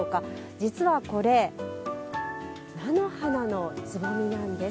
実は、これ菜の花のつぼみなんです。